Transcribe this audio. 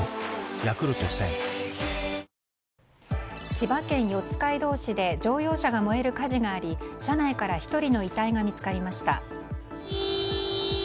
千葉県四街道市で乗用車が燃える火事があり車内から１人の遺体が見つかりました。